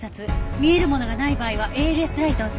見えるものがない場合はＡＬＳライトを使って反応を確認。